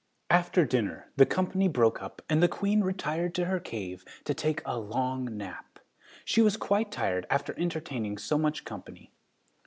After dinner, the company broke up and the Queen retired to her cave to take a long nap! She was quite tired after entertaining so much company.